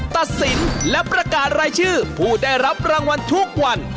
ตัดสินและประกาศรายชื่อผู้ได้รับรางวัลทุกวัน